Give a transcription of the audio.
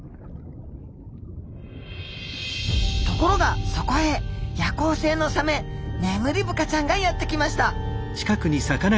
ところがそこへ夜行性のサメネムリブカちゃんがやってきました。